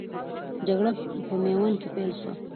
جګړه په میوند کې پیل سوه.